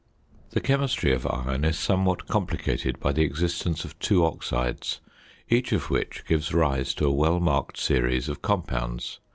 The chemistry of iron is somewhat complicated by the existence of two oxides, each of which gives rise to a well marked series of compounds.